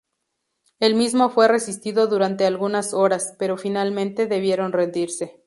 El mismo fue resistido durante algunas horas, pero finalmente debieron rendirse.